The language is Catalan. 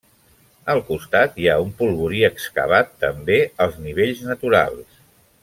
Al costat hi ha un polvorí excavat també als nivells naturals.